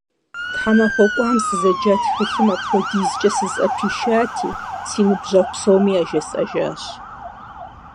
Тхьэмахуэ кӀуам сызэджа тхылъым апхуэдизкӀэ сызэӏэпишати, си ныбжьэгъу псоми яжесӀэжащ.